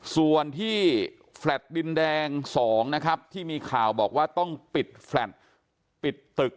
ส่วนที่แฟลต์ดินแดง๒นะครับที่มีข่าวบอกว่าต้องปิดแฟลตปิดตึก